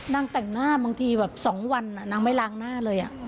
นางแต่งหน้าบางทีแบบ๒วันนางไม่ล้างหน้าเลย